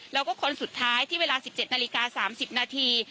แล้วก็คนสุดท้ายที่เวลา๑๗นาฬิกา๓๐นาที